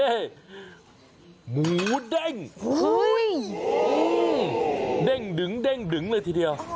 นี่หมูเด้งเด้งดึงเลยทีเดียว